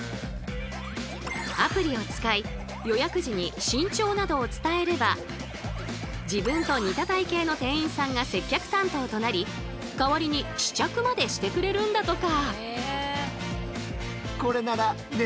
アプリを使い予約時に身長などを伝えれば自分と似た体型の店員さんが接客担当となり代わりに試着までしてくれるんだとか。